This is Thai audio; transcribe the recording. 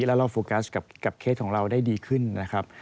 แล้วเราโฟกัสกับเคสของเราได้ดีขึ้นนะครับ